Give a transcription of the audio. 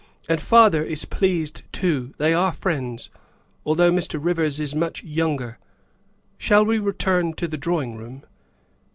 And father is pleased too; they are friends, although Mr. Rivers is much younger. Shall we return to the drawing room